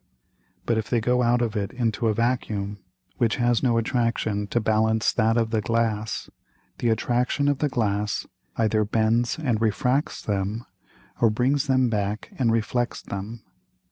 But if they go out of it into a Vacuum which has no Attraction to balance that of the Glass, the Attraction of the Glass either bends and refracts them, or brings them back and reflects them.